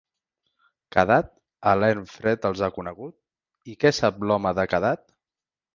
Kadath a l'erm fred els ha conegut, i què sap l'home de Kadath?